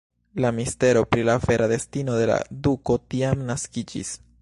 La mistero pri la vera destino de la duko tiam naskiĝis.